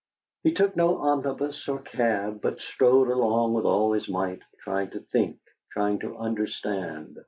He took no omnibus or cab, but strode along with all his might, trying to think, trying to understand.